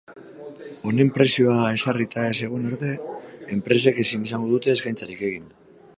Honen prezioa ezarrita ez egon arte, enpresek ezin izango dute eskaintzarik egin.